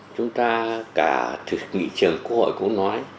chúng ta cả nghị trường quốc hội cũng nói